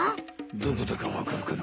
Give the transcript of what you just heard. どこだかわかるかな？